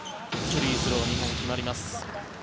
フリースロー決まります。